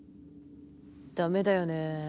ダメだよね。